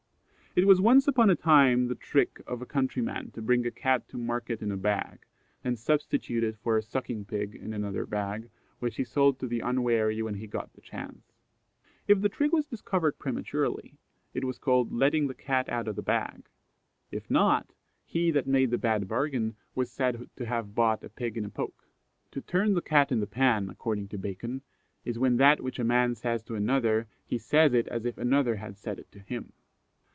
It was once upon a time the trick of a countryman to bring a Cat to market in a bag, and substitute it for a sucking pig in another bag, which he sold to the unwary when he got the chance. If the trick was discovered prematurely, it was called letting the cat out of the bag if not he that made the bad bargain was said to have bought a pig in a poke. To turn the Cat in the pan, according to Bacon, is when that which a man says to another he says it as if another had said it to him.